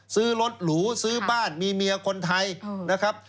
ซื้อรถหรูซื้อบ้านมีเมียคนไทยนะครับ